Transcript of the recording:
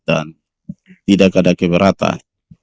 dan tidak ada keberatan